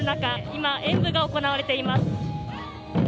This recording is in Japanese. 今、演舞が行われています。